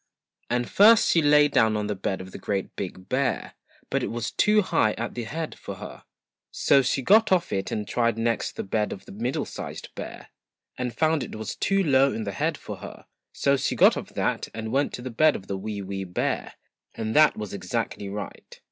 Ana nrst she' lay down on the bed of the GREAT BIG BEAR, but it was too high at the head for her, so she got off it 195 THE and tried next the bed of the MIDDLE SIZED BEAR, THREE an d found it was too low in the head for her, so she got off that and went to the bed of the WEE WEE BEAR, and that was exactly right.